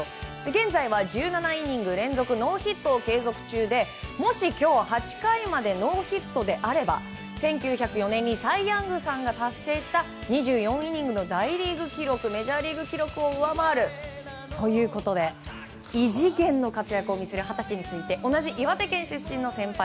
現在は１７イニング連続ノーヒットを継続中でもし今日、８回までノーヒットであれば１９０４年にサイ・ヤングさんが達成した２４イニングの大リーグ記録メジャーリーグ記録を上回るということで異次元の活躍を見せる二十歳について同じ岩手県出身の先輩